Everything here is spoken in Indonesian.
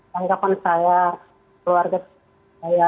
tanggapan saya keluarga saya